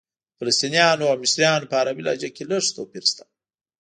د فلسطنیانو او مصریانو په عربي لهجه کې لږ توپیر شته.